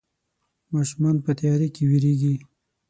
ماشومان په تياره کې ويرېږي.